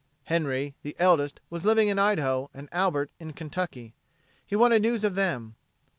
Henry, the eldest, was living in Idaho, and Albert in Kentucky. He wanted news of them.